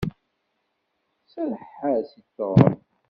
Serreḥ-as i Tom!